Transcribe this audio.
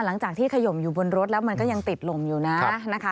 หลังจากที่ขยมอยู่บนรถแล้วมันก็ยังติดลมอยู่นะ